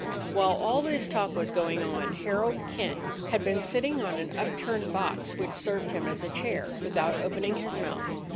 While all this talk was going on, Harold Kent had been sitting on an upturned box which served him as a chair, without opening his mouth.